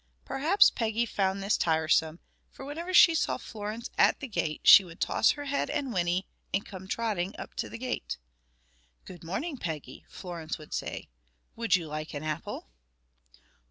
Perhaps Peggy found this tiresome, for whenever she saw Florence at the gate she would toss her head and whinny and come trotting up to the gate. "Good morning, Peggy!" Florence would say. "Would you like an apple?"